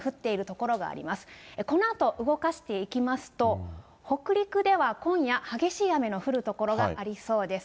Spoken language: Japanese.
このあと動かしていきますと、北陸では今夜、激しい雨の降る所がありそうです。